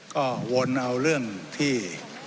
ก็วนเอาเรื่องที่